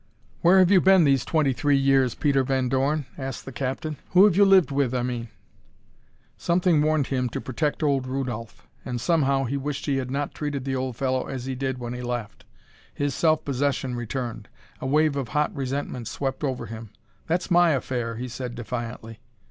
"Where have you been these twenty three years, Peter Van Dorn?" asked the captain. "Who have you lived with, I mean?" Something warned him to protect old Rudolph. And somehow he wished he had not treated the old fellow as he did when he left. His self possession returned. A wave of hot resentment swept over him. "That's my affair," he said defiantly.